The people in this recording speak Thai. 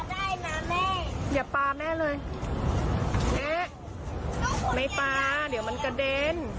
ก็ได้นะแม่อยากประแม่เลยเนี้ยไหมป่าเดี๋ยวมันกระเด็น